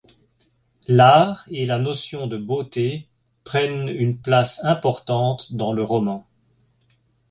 L'art et la notion de beauté prennent une place importante dans le roman.